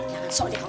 jangan sok deh kamu